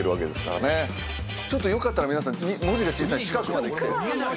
ちょっとよかったら皆さん文字が小さいんで近くまで来て。